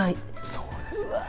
そうですね。